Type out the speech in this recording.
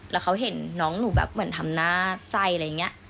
แล้วเขาเห็นน้องหนูแบบเหมือนทำหน้าไส้อะไรอย่างนี้